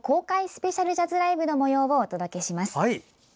スペシャルジャズライブのもようをお届けします。